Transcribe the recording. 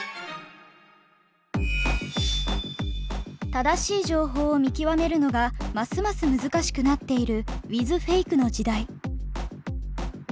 正しい情報を見極めるのがますます難しくなっているウィズフェイクの時代。